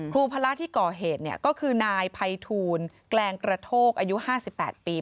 พระที่ก่อเหตุก็คือนายภัยทูลแกลงกระโทกอายุ๕๘ปี